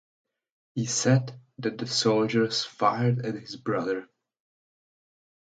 He said that the soldiers fired at his brother.